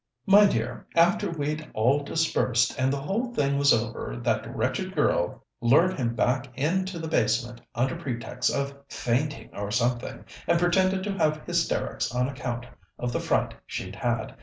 "My dear, after we'd all dispersed and the whole thing was over, that wretched girl lured him back into the basement, under pretext of fainting or something, and pretended to have hysterics on account of the fright she'd had.